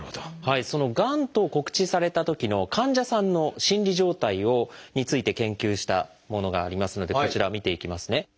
そのがんと告知されたときの患者さんの心理状態について研究したものがありますのでこちら見ていきますね。